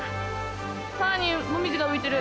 川にもみじが浮いてる。